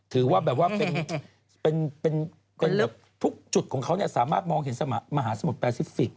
ถือว่าแบบว่าเป็นทุกจุดของเขาสามารถมองเห็นมหาสมุทรแปซิฟิกส